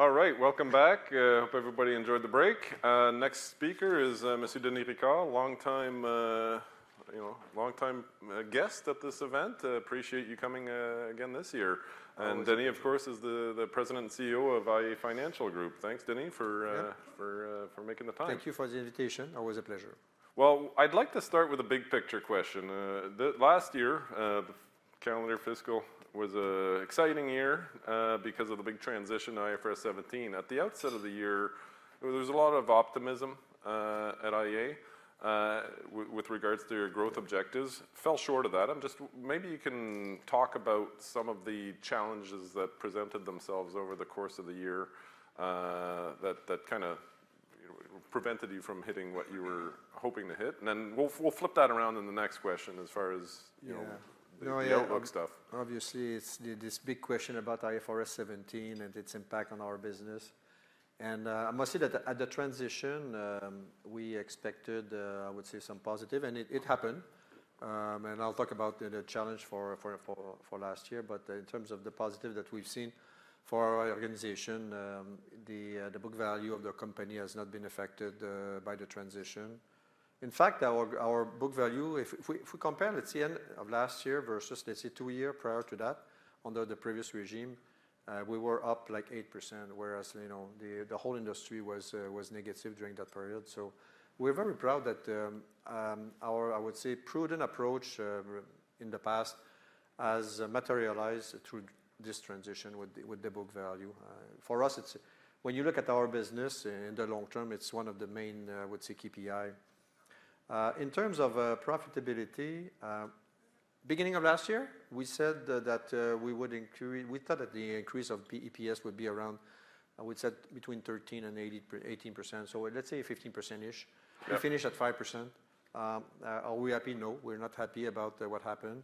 All right, welcome back. Hope everybody enjoyed the break. Next speaker is, Monsieur Denis Ricard, long time, you know, long time, guest at this event. Appreciate you coming, again this year. And. Denis, of course, is the President and CEO of iA Financial Group. Thanks, Denis, for making the time. Thank you for the invitation. Always a pleasure. Well, I'd like to start with a big picture question. The last year, the calendar fiscal, was an exciting year, because of the big transition, IFRS 17. At the outset of the year, there was a lot of optimism, at iA, with regards to your growth objectives. Fell short of that. I'm just maybe you can talk about some of the challenges that presented themselves over the course of the year, that kind of, you know, prevented you from hitting what you were hoping to hit. And then we'll flip that around in the next question as far as, you know, the outlook stuff. Yeah. No, yeah. Obviously, it's this big question about IFRS 17 and its impact on our business. And, I must say that at the transition, we expected, I would say some positive, and it happened. And I'll talk about the challenge for last year. But in terms of the positive that we've seen for our organization, the book value of the company has not been affected by the transition. In fact, our book value, if we compare the end of last year versus, let's say, two years prior to that, under the previous regime, we were up like 8%, whereas, you know, the whole industry was negative during that period. So we're very proud that our, I would say, prudent approach in the past has materialized through this transition with the book value. For us, it's when you look at our business in the long term, it's one of the main, I would say, KPIs in terms of profitability. Beginning of last year, we said that we thought that the increase of EPS would be around, I would say, between 13%-18%, so let's say 15%-ish. We finished at 5%. Are we happy? No. We're not happy about what happened.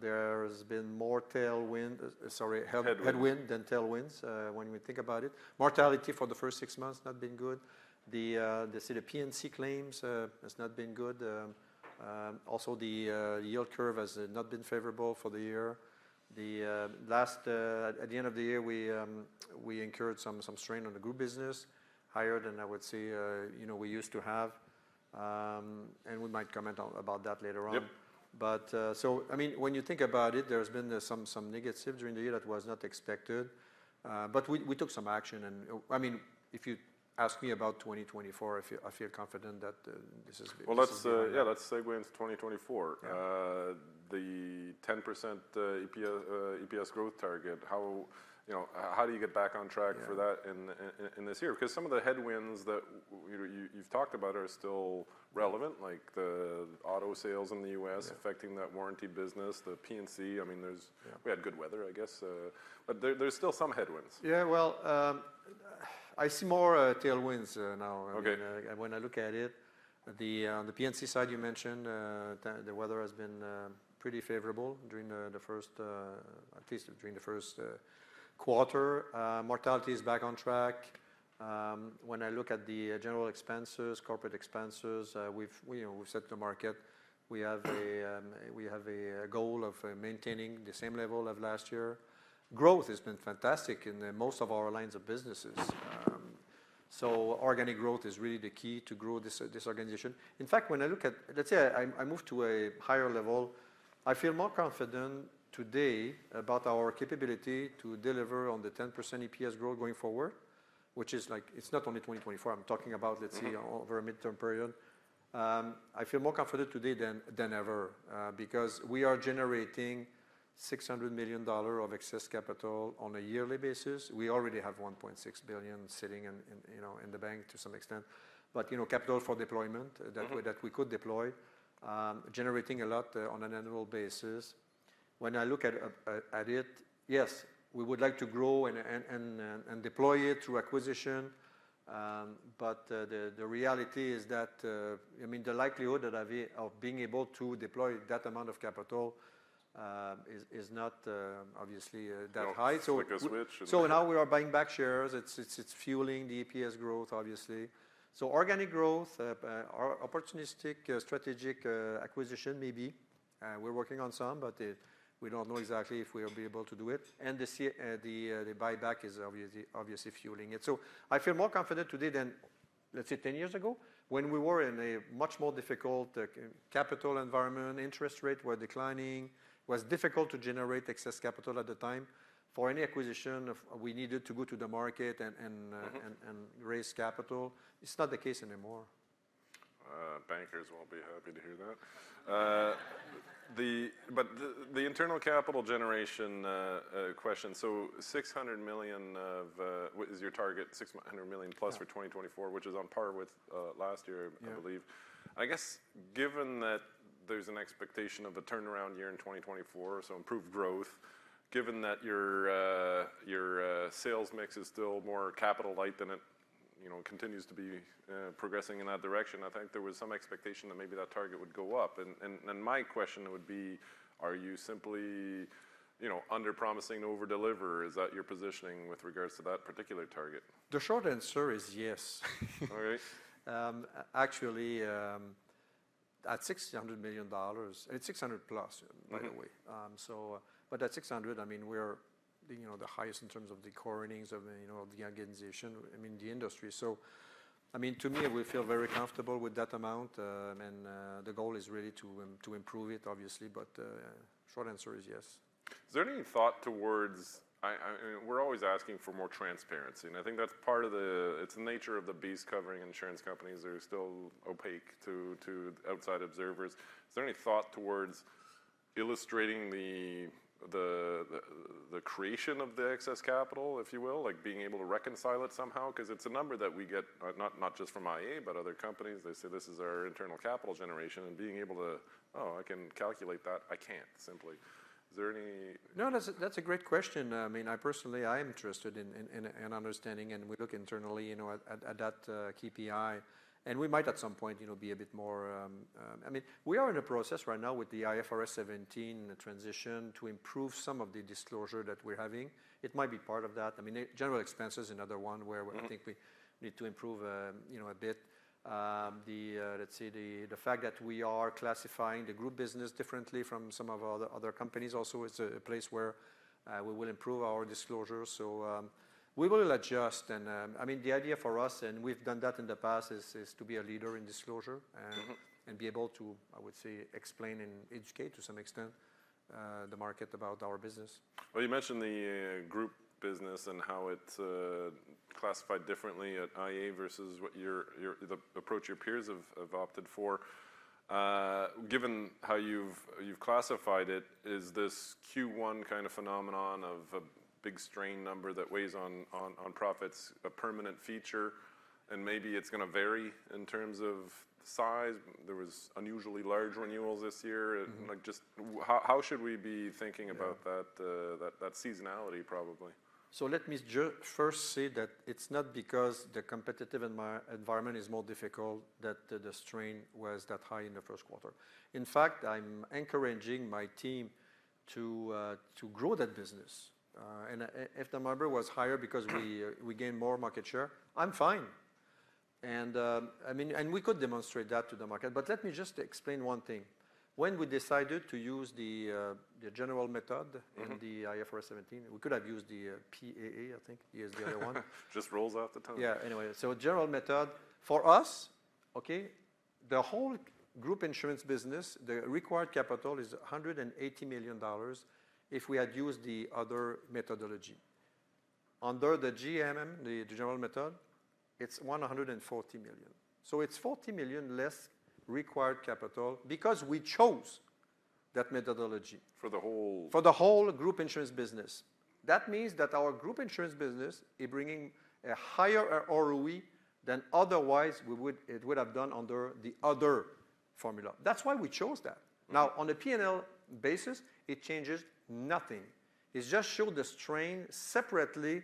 There's been more tailwind, sorry, headwind than tailwinds when we think about it. Mortality for the first six months has not been good. The, let's say the P&C claims, has not been good. Also the yield curve has not been favorable for the year. The last, at the end of the year, we incurred some strain on the group business, higher than, I would say, you know, we used to have. We might comment on about that later on. Yep. But, so I mean, when you think about it, there's been some negative during the year that was not expected. But we took some action and, oh, I mean, if you ask me about 2024, I feel confident that this is big. Well, let's, yeah, let's segue into 2024. The 10% EPS growth target, how, you know, how do you get back on track for that in this year? Because some of the headwinds that, you know, you've talked about are still relevant, like the auto sales in the U.S. affecting that warranty business, the P&C. I mean, there, we had good weather, I guess, but there, there's still some headwinds. Yeah, well, I see more tailwinds now. Okay. When I look at it, on the P&C side you mentioned, the weather has been pretty favorable during the first quarter, at least during the first quarter. Mortality is back on track. When I look at the general expenses, corporate expenses, we've, you know, we've set the market. We have a goal of maintaining the same level of last year. Growth has been fantastic in most of our lines of businesses. Organic growth is really the key to grow this organization. In fact, when I look at, let's say, I move to a higher level, I feel more confident today about our capability to deliver on the 10% EPS growth going forward, which is like it's not only 2024. I'm talking about, let's say, over a midterm period. I feel more confident today than ever, because we are generating 600 million dollar of excess capital on a yearly basis. We already have 1.6 billion sitting in the bank to some extent, but you know, capital for deployment that way that we could deploy, generating a lot on an annual basis. When I look at it, yes, we would like to grow and deploy it through acquisition. But the reality is that, I mean, the likelihood that I have of being able to deploy that amount of capital is not, obviously, that high. So. Quicker switch and. So now we are buying back shares. It's fueling the EPS growth, obviously. So organic growth, opportunistic, strategic acquisition, maybe. We're working on some, but we don't know exactly if we'll be able to do it. And the buyback is obviously fueling it. So I feel more confident today than, let's say, 10 years ago, when we were in a much more difficult capital environment. Interest rates were declining. It was difficult to generate excess capital at the time. For any acquisition, we needed to go to the market and raise capital. It's not the case anymore. Bankers won't be happy to hear that. But the internal capital generation question. So 600 million of, is your target 600 million plus for 2024, which is on par with last year, I believe. I guess given that there's an expectation of a turnaround year in 2024, so improved growth, given that your sales mix is still more capital-light than it, you know, continues to be, progressing in that direction, I think there was some expectation that maybe that target would go up. And my question would be, are you simply, you know, under-promising to over-deliver? Is that your positioning with regards to that particular target? The short answer is yes. All right. Actually, at 600 million dollars it's +600, by the way. So but at 600, I mean, we're, you know, the highest in terms of the core earnings of, you know, the organization, I mean, the industry. So, I mean, to me, we feel very comfortable with that amount. And, the goal is really to, to improve it, obviously. But, short answer is yes. Is there any thought towards, I mean, we're always asking for more transparency, and I think that's part of it. It's the nature of the beast covering insurance companies. They're still opaque to outside observers. Is there any thought towards illustrating the creation of the excess capital, if you will, like being able to reconcile it somehow? Because it's a number that we get, not just from IA, but other companies. They say, "This is our internal capital generation," and being able to, "Oh, I can calculate that. I can't," simply. Is there any? No, that's a great question. I mean, I personally, I am interested in understanding, and we look internally, you know, at that KPI. And we might at some point, you know, be a bit more. I mean, we are in the process right now with the IFRS 17 transition to improve some of the disclosure that we're having. It might be part of that. I mean, general expenses is another one where I think we need to improve, you know, a bit. Let's say, the fact that we are classifying the group business differently from some of our other companies also is a place where we will improve our disclosure. So, we will adjust. I mean, the idea for us, and we've done that in the past, is to be a leader in disclosure and be able to, I would say, explain and educate to some extent, the market about our business. Well, you mentioned the group business and how it's classified differently at IA versus the approach your peers have opted for. Given how you've classified it, is this Q1 kind of phenomenon of a big strain number that weighs on profits a permanent feature? And maybe it's going to vary in terms of size. There was unusually large renewals this year. Like, just how should we be thinking about that seasonality, probably? So let me just first say that it's not because the competitive environment is more difficult that the strain was that high in the first quarter. In fact, I'm encouraging my team to grow that business. And if the number was higher because we gained more market share, I'm fine. And, I mean, and we could demonstrate that to the market. But let me just explain one thing. When we decided to use the General Method in the IFRS 17, we could have used the PAA, I think. Here's the other one. Just rolls off the tongue. Yeah, anyway. So General Method, for us, okay, the whole group insurance business, the required capital is 180 million dollars if we had used the other methodology. Under the GMM, the General Method, it's 140 million. So it's 40 million less required capital because we chose that methodology. For the whole? For the whole group insurance business. That means that our group insurance business is bringing a higher ROE than otherwise we would it would have done under the other formula. That's why we chose that. Now, on a P&L basis, it changes nothing. It just shows the strain separately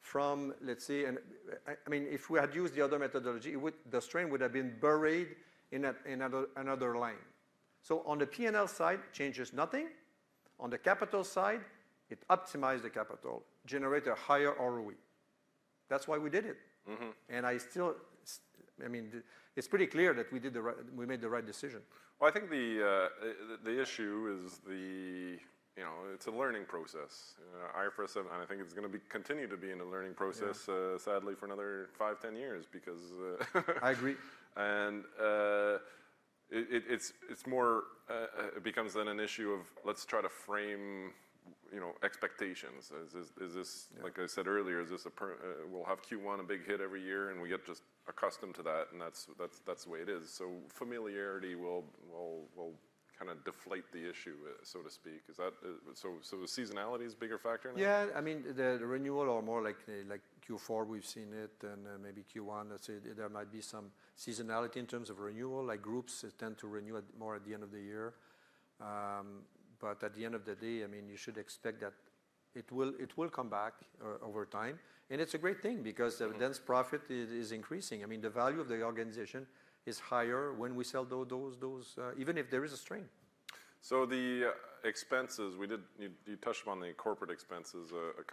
from, let's say, an I mean, if we had used the other methodology, it would the strain would have been buried in a in another line. So on the P&L side, it changes nothing. On the capital side, it optimized the capital, generated a higher ROE. That's why we did it. And I still I mean, it's pretty clear that we did the right we made the right decision. Well, I think the issue is, you know, it's a learning process. IFRS 17, I think it's going to be continue to be in a learning process, sadly, for another five-10 years because, I agree. It's more, it becomes then an issue of, let's try to frame, you know, expectations. Is this like I said earlier, is this a we'll have Q1 a big hit every year, and we get just accustomed to that, and that's the way it is. So familiarity will kind of deflate the issue, so to speak. Is that so, seasonality is a bigger factor now? Yeah, I mean, the renewal are more like Q4 we've seen it than maybe Q1. Let's say there might be some seasonality in terms of renewal. Like, groups tend to renew more at the end of the year. But at the end of the day, I mean, you should expect that it will come back over time. And it's a great thing because the insurance profit is increasing. I mean, the value of the organization is higher when we sell those even if there is a strain. So the expenses we did, you touched upon the corporate expenses a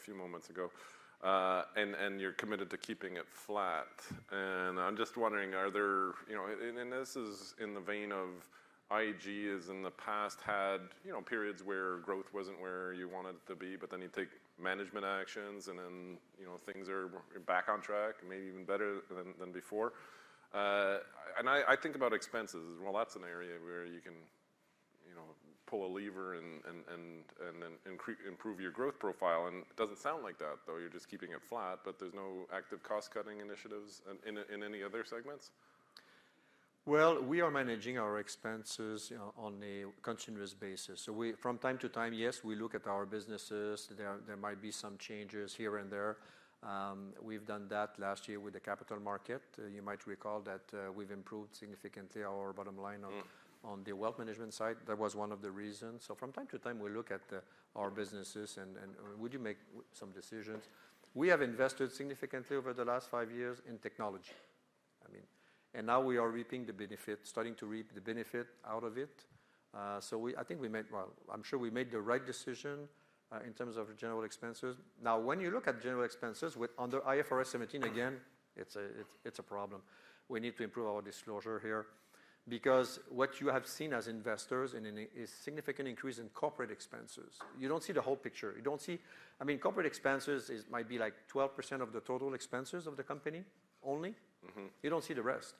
few moments ago. And you're committed to keeping it flat. And I'm just wondering, are there, you know, and this is in the vein of IGs in the past had, you know, periods where growth wasn't where you wanted it to be, but then you take management actions, and then, you know, things are back on track, maybe even better than before. And I think about expenses. Well, that's an area where you can, you know, pull a lever and then increase improve your growth profile. And it doesn't sound like that, though. You're just keeping it flat, but there's no active cost-cutting initiatives in any other segments? Well, we are managing our expenses, you know, on a continuous basis. So, from time to time, yes, we look at our businesses. There might be some changes here and there. We've done that last year with the capital market. You might recall that we've improved significantly our bottom line on, on the wealth management side. That was one of the reasons. So, from time to time, we look at our businesses and, and we do make some decisions. We have invested significantly over the last five years in technology. I mean, and now we are reaping the benefit, starting to reap the benefit out of it. So, we, I think we made well, I'm sure we made the right decision in terms of general expenses. Now, when you look at general expenses under IFRS 17, again, it's a, it's, it's a problem. We need to improve our disclosure here because what you have seen as investors is a significant increase in corporate expenses. You don't see the whole picture. You don't see, I mean, corporate expenses might be like 12% of the total expenses of the company only. You don't see the rest.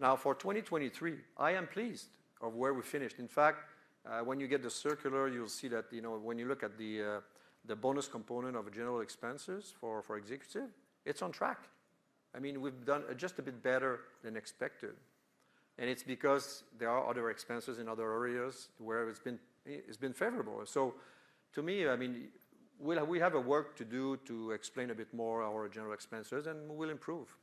Now, for 2023, I am pleased with where we finished. In fact, when you get the circular, you'll see that, you know, when you look at the bonus component of general expenses for executives, it's on track. I mean, we've done just a bit better than expected. And it's because there are other expenses in other areas where it's been favorable. So to me, I mean, we have work to do to explain a bit more our general expenses, and we'll improve.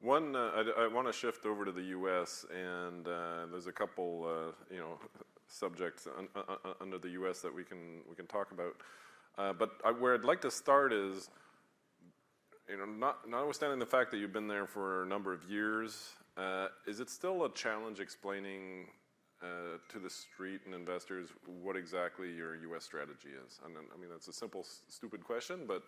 One, I want to shift over to the U.S., and, there's a couple, you know, subjects under the U.S. that we can talk about. But where I'd like to start is, you know, not understanding the fact that you've been there for a number of years, is it still a challenge explaining to the Street and investors what exactly your U.S. strategy is? And I mean, that's a simple, stupid question, but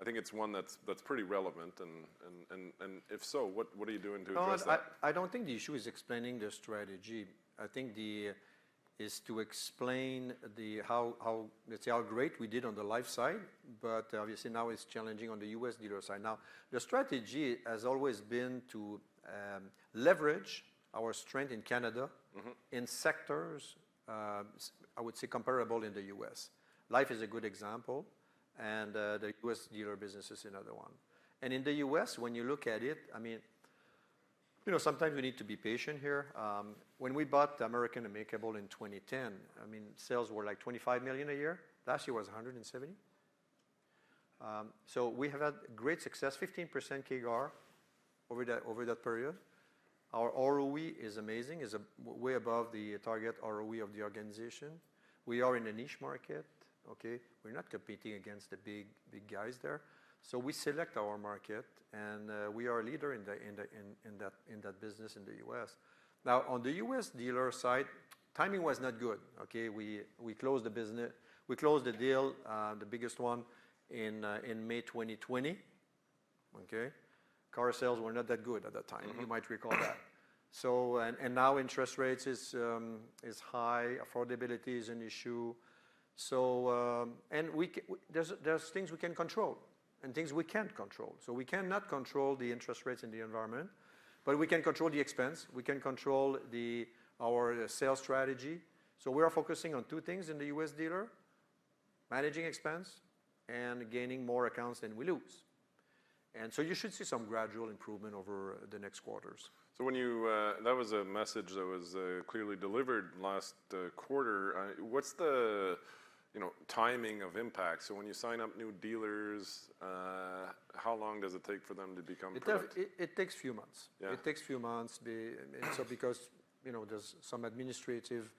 I think it's one that's pretty relevant. And if so, what are you doing to address that? No, I don't think the issue is explaining the strategy. I think the issue is to explain the how, how let's say how great we did on the life side, but obviously, now it's challenging on the U.S. dealer side. Now, the strategy has always been to leverage our strength in Canada in sectors, I would say comparable in the U.S.. Life is a good example, and the U.S. dealer business is another one. And in the U.S., when you look at it, I mean, you know, sometimes we need to be patient here. When we bought American Amicable in 2010, I mean, sales were like $25 million a year. Last year was $170 million. So we have had great success, 15% CAGR over that period. Our ROE is amazing, is way above the target ROE of the organization. We are in a niche market, okay? We're not competing against the big, big guys there. So we select our market, and we are a leader in that business in the U.S. Now, on the U.S. dealer side, timing was not good, okay? We closed the deal, the biggest one, in May 2020, okay? Car sales were not that good at that time. You might recall that. So now interest rate is high. Affordability is an issue. So there's things we can control and things we can't control. So we cannot control the interest rates in the environment, but we can control the expense. We can control our sales strategy. So we are focusing on two things in the U.S. dealer: managing expense and gaining more accounts than we lose. You should see some gradual improvement over the next quarters. So, that was a message that was clearly delivered last quarter. What's the, you know, timing of impact? So when you sign up new dealers, how long does it take for them to become pro? It takes a few months because, you know, there's some administrative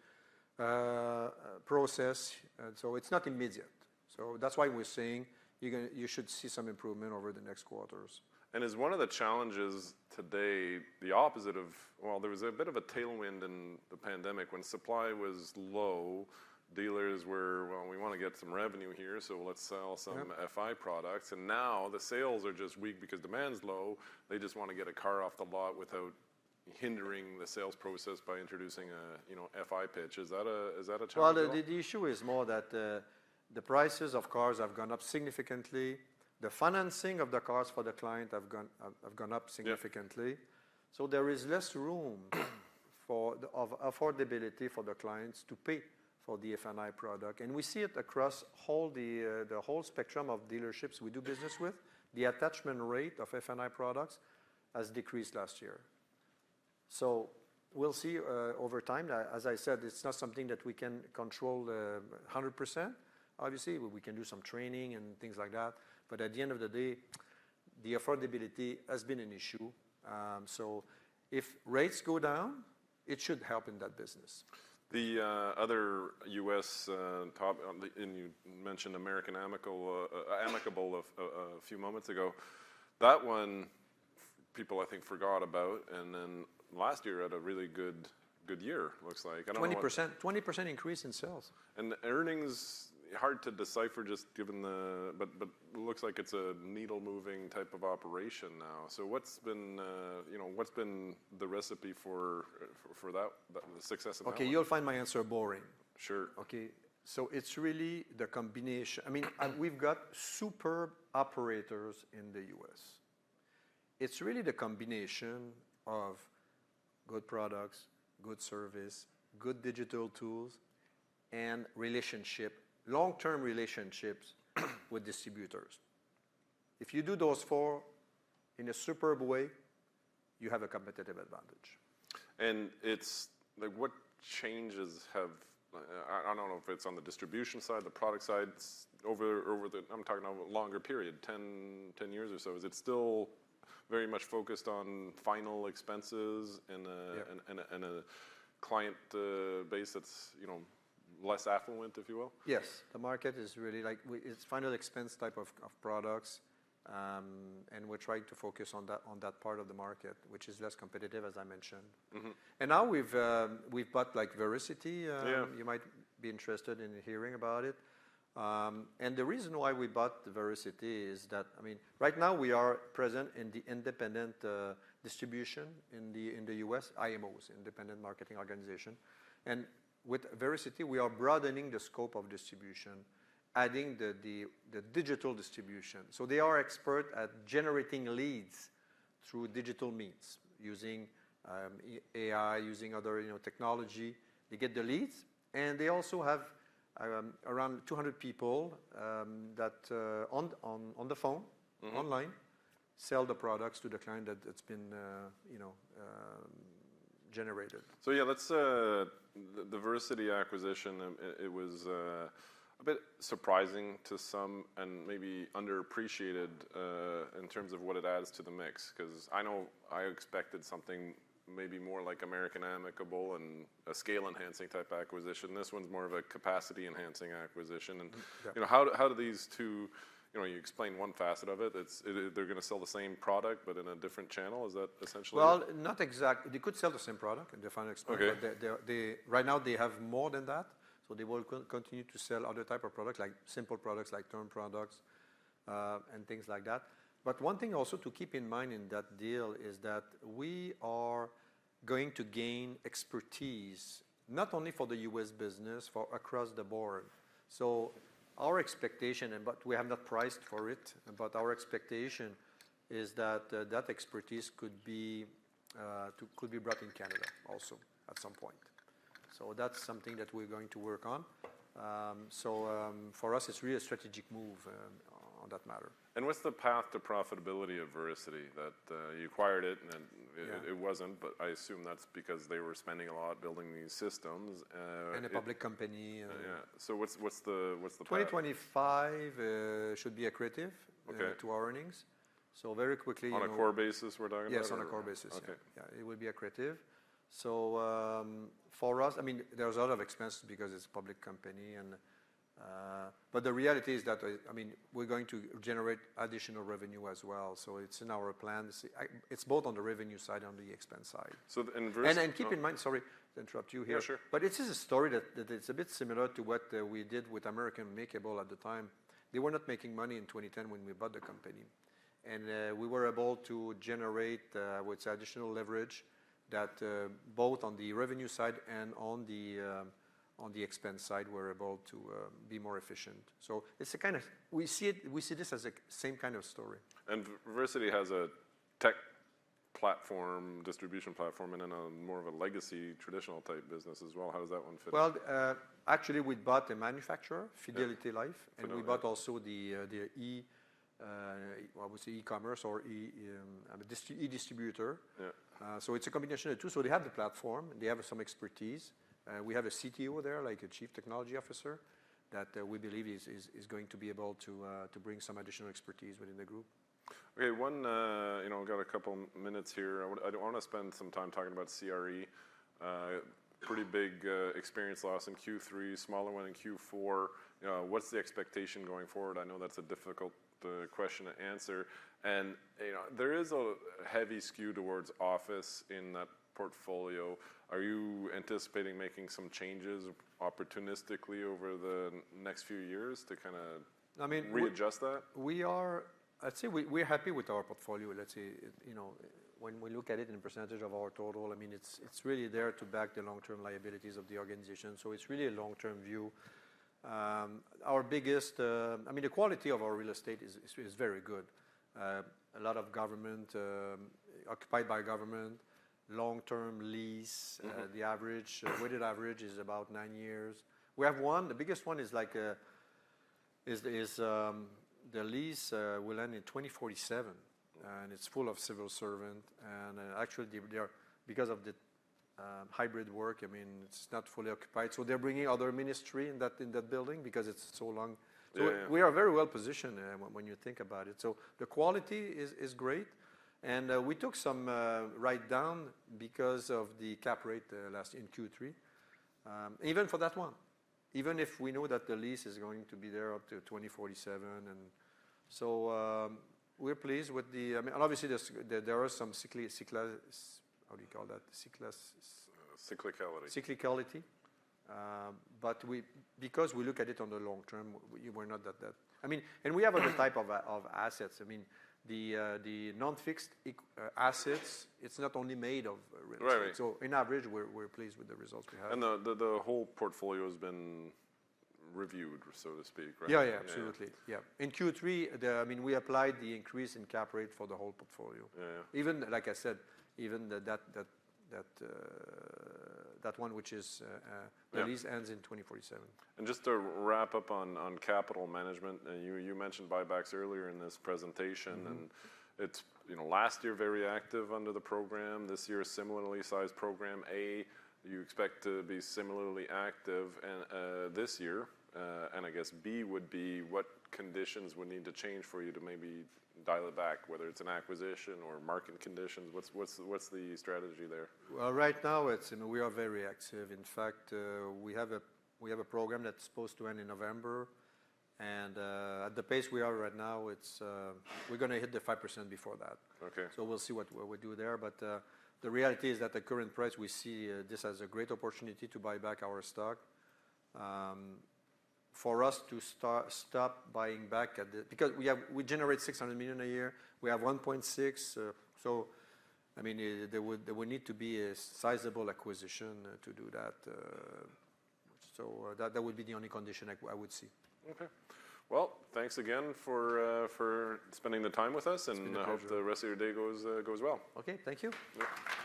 process. And so it's not immediate. So that's why we're saying you should see some improvement over the next quarters. Is one of the challenges today the opposite of, well, there was a bit of a tailwind in the pandemic when supply was low. Dealers were, "Well, we want to get some revenue here, so let's sell some F&I products." And now the sales are just weak because demand's low. They just want to get a car off the lot without hindering the sales process by introducing a, you know, F&I pitch. Is that a challenge? Well, the issue is more that the prices of cars have gone up significantly. The financing of the cars for the client have gone up significantly. So there is less room for the affordability for the clients to pay for the F&I product. And we see it across all the whole spectrum of dealerships we do business with. The attachment rate of F&I products has decreased last year. So we'll see over time. As I said, it's not something that we can control, 100%. Obviously, we can do some training and things like that. But at the end of the day, the affordability has been an issue. So if rates go down, it should help in that business. The other U.S. top and you mentioned American Amicable a few moments ago. That one, people, I think, forgot about. And then last year had a really good, good year, looks like. I don't know. 20%. 20% increase in sales. Earnings hard to decipher just given the but, but looks like it's a needle-moving type of operation now. So what's been, you know, what's been the recipe for, for that success of that? Okay, you'll find my answer boring. Sure. Okay? So it's really the combination. I mean, we've got superb operators in the U.S. It's really the combination of good products, good service, good digital tools, and relationship long-term relationships with distributors. If you do those four in a superb way, you have a competitive advantage. It's like, what changes have I? Don't know if it's on the distribution side, the product side. It's over the. I'm talking about a longer period, 10 years or so. Is it still very much focused on final expenses and a client base that's, you know, less affluent, if you will? Yes. The market is really like, it's final expense type of products. We're trying to focus on that on that part of the market, which is less competitive, as I mentioned. Now we've, we've bought, like, Vericity. You might be interested in hearing about it. The reason why we bought Vericity is that I mean, right now, we are present in the independent distribution in the U.S., IMOs, Independent Marketing Organization. And with Vericity, we are broadening the scope of distribution, adding the digital distribution. So they are expert at generating leads through digital means, using AI, using other, you know, technology. They get the leads, and they also have around 200 people that on the phone, online, sell the products to the client that it's been, you know, generated. So yeah, that's the Vericity acquisition. It was a bit surprising to some and maybe underappreciated in terms of what it adds to the mix because I know I expected something maybe more like American Amicable and a scale-enhancing type acquisition. This one's more of a capacity-enhancing acquisition. And you know, how do these two? You know, you explained one facet of it. It's they're going to sell the same product but in a different channel. Is that essentially? Well, not exactly. They could sell the same product in the Final Expense, but right now, they have more than that. So they will continue to sell other type of products, like simple products, like term products, and things like that. But one thing also to keep in mind in that deal is that we are going to gain expertise not only for the U.S. business, but across the board. So our expectation and but we have not priced for it. But our expectation is that that expertise could be could be brought in Canada also at some point. So that's something that we're going to work on. So, for us, it's really a strategic move, on that matter. What's the path to profitability of Vericity? That, you acquired it, and then it wasn't. I assume that's because they were spending a lot building these systems. A public company. Yeah. So what's the path? 2025 should be accretive to our earnings. So very quickly. On a core basis, we're talking about? Yes, on a core basis. Yeah. Yeah, it will be accretive. So, for us, I mean, there's a lot of expense because it's a public company. But the reality is that, I mean, we're going to generate additional revenue as well. So it's in our plan. It's both on the revenue side and the expense side. So and Vericity. Keep in mind, sorry to interrupt you here. Yeah, sure. It's just a story that it's a bit similar to what we did with American Amicable at the time. They were not making money in 2010 when we bought the company. We were able to generate, I would say, additional leverage both on the revenue side and on the expense side, we were able to be more efficient. So it's a kind of we see it we see this as the same kind of story. Vericity has a tech platform, distribution platform, and then a more of a legacy, traditional type business as well. How does that one fit in? Well, actually, we bought a manufacturer, Fidelity Life. And we bought also the e-commerce or e-distributor. So it's a combination of the two. So they have the platform. They have some expertise. We have a CTO there, like a chief technology officer, that we believe is going to be able to bring some additional expertise within the group. Okay. You know, I've got a couple minutes here. I want to spend some time talking about CRE. Pretty big experience loss in Q3, smaller one in Q4. What's the expectation going forward? I know that's a difficult question to answer. And, you know, there is a heavy skew towards office in that portfolio. Are you anticipating making some changes opportunistically over the next few years to kind of readjust that? I mean, we are, let's say, we're happy with our portfolio. Let's say, you know, when we look at it in percentage of our total, I mean, it's really there to back the long-term liabilities of the organization. So it's really a long-term view. Our biggest—I mean, the quality of our real estate is very good. A lot of government occupied by government, long-term lease. The average weighted average is about nine years. We have one. The biggest one is like, is, the lease will end in 2047. And it's full of civil servants. And actually, because of the hybrid work, I mean, it's not fully occupied. So they're bringing other ministry in that building because it's so long. So we are very well positioned when you think about it. So the quality is great. We took some write-down because of the cap rate last in Q3, even for that one, even if we know that the lease is going to be there up to 2047. And so, we're pleased with the—I mean, obviously, there are some cyclical, how do you call that? Cyclicals. Cyclicality. Cyclicality. But we, because we look at it on the long term, we're not that, that I mean and we have other type of assets. I mean, the non-fixed assets, it's not only made of real estate. So in average, we're pleased with the results we have. The whole portfolio has been reviewed, so to speak, right? Yeah, yeah, absolutely. Yeah. In Q3, I mean, we applied the increase in cap rate for the whole portfolio. Even like I said, even that one, which is the lease ends in 2047. Just to wrap up on capital management, you mentioned buybacks earlier in this presentation. It's, you know, last year very active under the program. This year, a similarly sized program. A, you expect to be similarly active this year. I guess B would be what conditions would need to change for you to maybe dial it back, whether it's an acquisition or market conditions. What's the strategy there? Well, right now, it's, you know, we are very active. In fact, we have a program that's supposed to end in November. And at the pace we are right now, it's we're going to hit the 5% before that. So we'll see what we do there. But the reality is that at the current price, we see this as a great opportunity to buy back our stock. For us to stop buying back, because we generate 600 million a year. We have 1.6 billion. So I mean, there would need to be a sizable acquisition to do that. So that would be the only condition I would see. Okay. Well, thanks again for spending the time with us. I hope the rest of your day goes well. Okay. Thank you. Bye-bye.